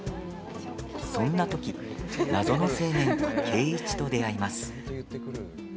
そんな時、謎の青年圭一と出会います。